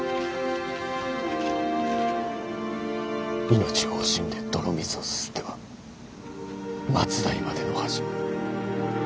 命を惜しんで泥水をすすっては末代までの恥。